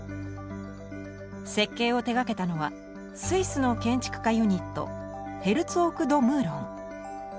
設計を手がけたのはスイスの建築家ユニットヘルツォーク＆ド・ムーロン。